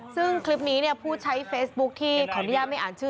ซึ่งคลิปนี้เนี่ยผู้ใช้เฟซบุ๊คที่ขออนุญาตไม่อ่านชื่อ